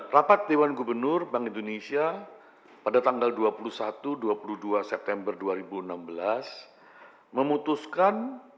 rapat dewan gubernur bank indonesia pada tanggal dua puluh satu dua puluh dua september dua ribu enam belas memutuskan